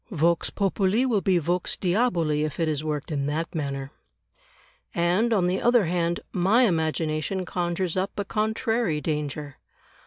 Vox populi will be Vox diaboli if it is worked in that manner. And, on the other hand, my imagination conjures up a contrary danger.